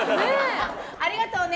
ありがとうね。